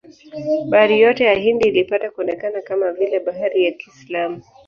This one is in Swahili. Bahari yote ya Hindi ilipata kuonekana kama vile bahari ya Kiislamu.